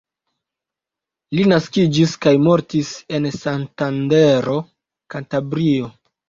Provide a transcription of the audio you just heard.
Li naskiĝis kaj mortis en Santandero, Kantabrio.